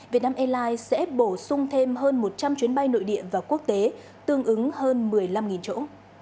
việt nam airlines sẽ bổ sung thêm hơn một trăm linh chuyến bay nội địa và quốc tế tương ứng hơn một mươi năm chỗ